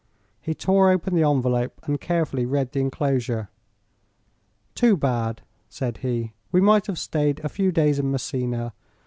He tore open the envelope and carefully read the enclosure. "Too bad," said he. "We might have stayed a few days in Messina.